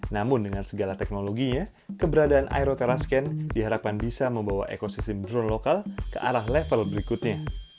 namun dengan segala teknologinya keberadaan aeroterascan diharapkan bisa membawa ekosistem drone lokal ke arah level berikutnya